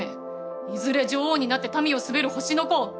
いずれ女王になって民を統べる星の子。